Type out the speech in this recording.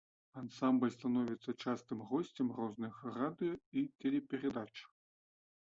Ансамбль становіцца частым госцем розных радыё і тэлеперадач.